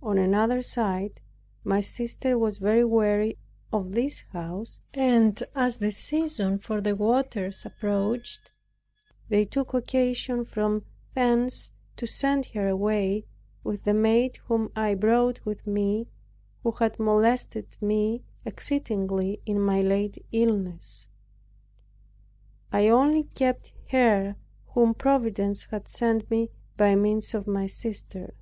On another side, my sister was very weary of this house; and as the season for the waters approached, they took occasion from thence to send her away with the maid which I brought with me, who had molested me exceedingly in my late illness. I only kept her whom Providence had sent me by means of my sister.